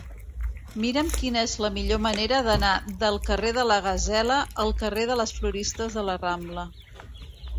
Mira'm quina és la millor manera d'anar del carrer de la Gasela al carrer de les Floristes de la Rambla.